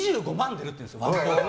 出るっていうんです。